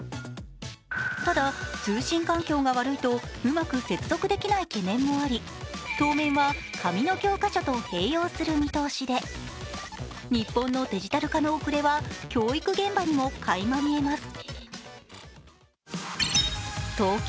ただ、通信環境が悪いとうまく接続できない懸念もあり当面は紙の教科書を併用する見通しで、日本のデジタル化の遅れは教育現場にもかいま見えます。